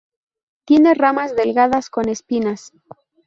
Tiene ramas delgadas con espinas.